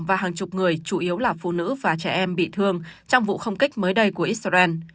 và hàng chục người chủ yếu là phụ nữ và trẻ em bị thương trong vụ không kích mới đây của israel